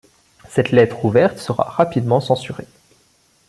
Cette lettre ouverte sera rapidement censurée.